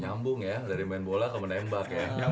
nyambung ya dari main bola ke menembak ya